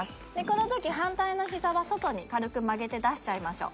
この時反対の膝は外に軽く曲げて出しちゃいましょう。